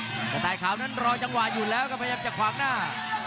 กระต่ายขาวนั้นรอจังหวะอยู่แล้วก็พยายามจะขวางหน้า